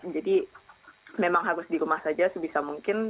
jadi memang harus di rumah saja sebisa mungkin